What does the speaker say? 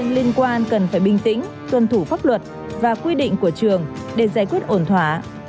liên quan cần phải bình tĩnh tuân thủ pháp luật và quy định của trường để giải quyết ổn thỏa